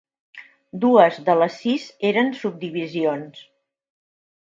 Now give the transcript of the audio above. Dues de les sis eren subdivisions.